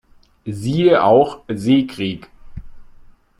Siehe auch: Seekrieg